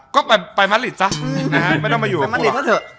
ก็ไปมัตต์ฤทธิ์ซะไม่ต้องมาอยู่กับผมล่ะ